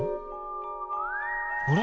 あれ？